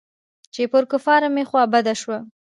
چې پر کفارو مې خوا بده سوه.